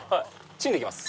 チンできます。